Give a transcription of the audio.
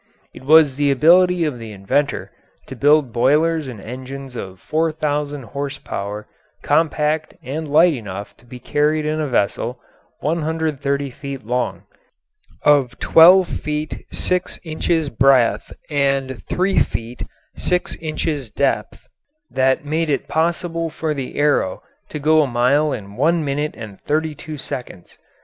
It was the ability of the inventor to build boilers and engines of 4,000 horse power compact and light enough to be carried in a vessel 130 feet long, of 12 feet 6 inches breadth, and 3 feet 6 inches depth, that made it possible for the Arrow to go a mile in one minute and thirty two seconds.